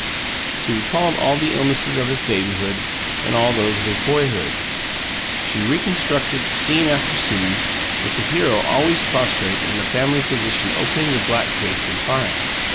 She recalled all the illnesses of his babyhood and all those of his boyhood. She reconstructed scene after scene, with the hero always prostrate and the family physician opening the black case of phials.